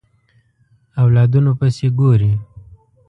اولادونو پسې ګوري